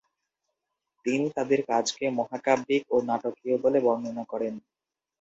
তিনি তাদের কাজকে মহাকাব্যিক ও নাটকীয় বলে বর্ণনা করেন।